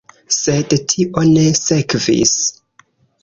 Sed tio ne sekvis.